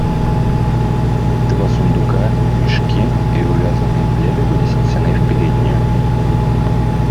Два сундука, мешки и увязанные пледы были снесены в переднюю.